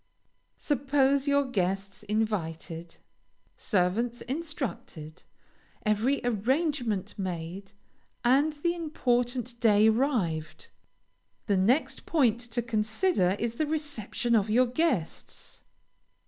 Suppose your guests invited, servants instructed, every arrangement made, and the important day arrived. The next point to consider is the reception of your guests.